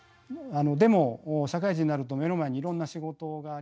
でも社会人になると目の前にいろんな仕事がありますよね。